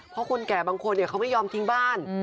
เพราะคนแก่บางคนเขาไม่ยอมทิ้งบ้าน